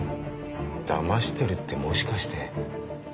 だましてるってもしかして。